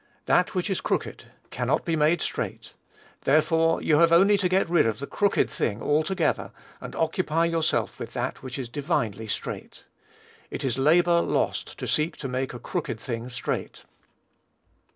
"That which is crooked cannot be made straight;" therefore you have only to get rid of the crooked thing altogether, and occupy yourself with that which is divinely straight. It is labor lost to seek to make a crooked thing straight.